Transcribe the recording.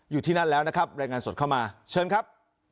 อยู่ที่นั่นแล้วนะครับรายงานสดเข้ามาเชิญครับ